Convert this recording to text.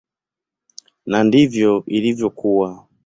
Na ndivyo ilivyokuwa.